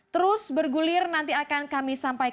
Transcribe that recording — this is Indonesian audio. yang sangat penting untuk anisandi